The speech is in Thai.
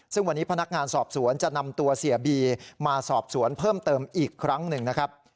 ซึ่งวันนี้พนักงานสอบสวนจะนำตัวเสียบีมาสอบสวนเพิ่มเติมอีกครั้งหนึ่งนะครับ